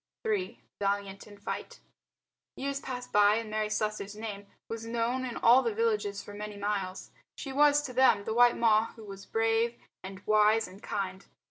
III. VALIANT IN FIGHT Years passed by and Mary Slessor's name was known in all the villages for many miles. She was, to them, the white Ma who was brave and wise and kind.